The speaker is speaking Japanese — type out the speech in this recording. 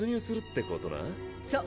そう！